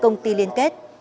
người liên kết